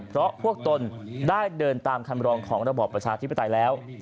เพราะพวกตนได้เดินตามคำรองของระบอบประชาธิปไตยแล้ว